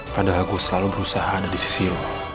padahal gue selalu berusaha ada di sisi lo